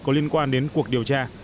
có liên quan đến cuộc điều tra